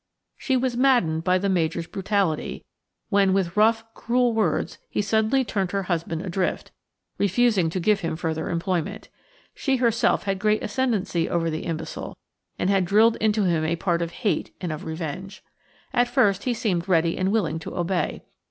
She was maddened by the Major's brutality, when with rough, cruel words he suddenly turned her husband adrift, refusing to give him further employment. She herself had great ascendency over the imbecile, and had drilled him into a part of hate and of revenge. At first he had seemed ready and willing to obey.